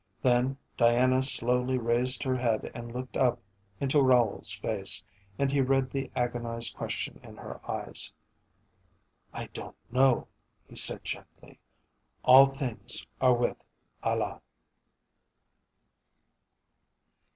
Then Diana slowly raised her head and looked up into Raoul's face, and he read the agonised question in her eyes. "I don't know," he said gently. "All things are with Allah."